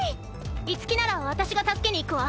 樹なら私が助けに行くわ。